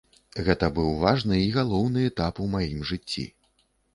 Гэта быў важны і галоўны этап у маім жыцці.